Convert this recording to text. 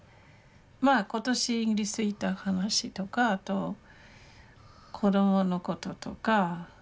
まあ今年についた話とかあと子どものこととか書きます。